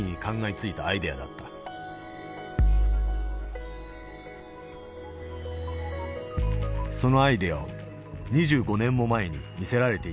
そのアイデアを２５年も前に見せられていた男がいた。